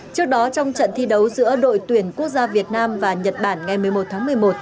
trước đó trong trận thi đấu giữa đội tuyển quốc gia việt nam và nhật bản ngày một mươi một tháng một mươi một